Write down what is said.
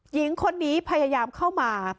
หญิงคนนี้พยายามเข้ามา